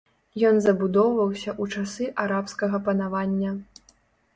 Ён забудоўваўся ў часы арабскага панавання.